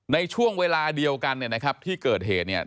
ในช่วงเวลาเดียวกันเนี่ยนะครับที่เกิดเหตุเนี่ย